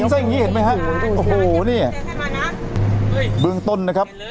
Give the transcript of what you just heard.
สิมงี้เห็นไหมฮะโอ้โหนี่บืองต้นนะครับ